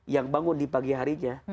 yang bangun di pagi harinya